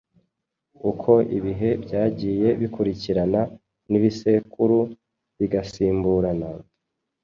Uko ibihe byagiye bikurikirana n’ibisekuru bigasimburana,